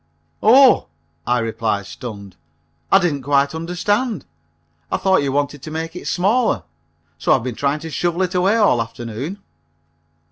"Oh!" I replied, stunned, "I didn't quite understand. I thought you wanted to make it smaller, so I've been trying to shovel it away all afternoon."